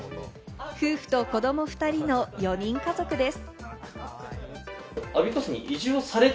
夫婦と子ども２人の４人家族です。